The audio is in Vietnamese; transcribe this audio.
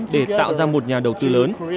để tạo ra một nhà đầu tư lớn